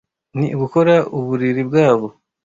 Ni uGukora uburiri bwabo